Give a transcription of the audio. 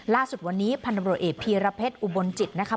ล่าสุดวันนี้พันธมิโรเอพีระเพชรอุบลจิตนะครับ